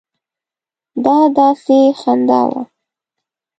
دا داسې خندا وه.